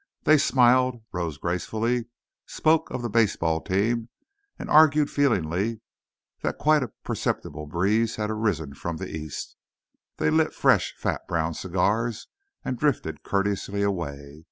They smiled, rose gracefully, spoke of the baseball team, and argued feelingly that quite a perceptible breeze had arisen from the east. They lit fresh fat brown cigars, and drifted courteously away.